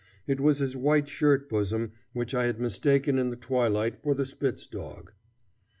It was his white shirt bosom which I had mistaken in the twilight for the spitz dog.